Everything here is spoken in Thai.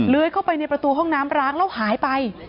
เข้าไปในประตูห้องน้ำร้างแล้วหายไป